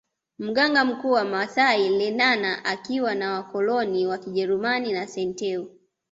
Mganga mkuu wa maasai Lenana akiwa na wakoloni wa kijerumani na Santeu